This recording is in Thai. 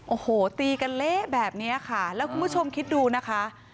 โอ้โหตีกันเละแบบนี้ค่ะแล้วคุณผู้ชมคิดดูนะคะ